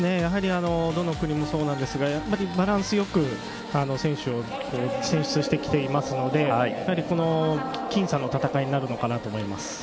どの国もそうですがバランスよく選手を選出してきていますので僅差の戦いになるのかなと思います。